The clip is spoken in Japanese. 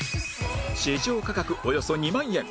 市場価格およそ２万円